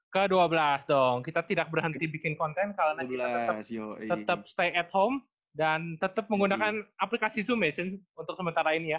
ke dua belas dong kita tidak berhenti bikin konten karena gila tetap stay at home dan tetap menggunakan aplikasi zoom mations untuk sementara ini ya